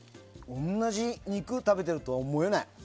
同じ肉を食べてるとは思えない。